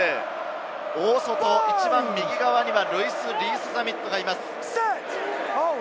大外、一番右側にはルイス・リース＝ザミットがいます。